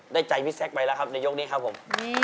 ได้ใจพี่แซ็กไปแล้วครับในยกนี้ครับผม